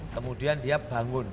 kemudian dia bangun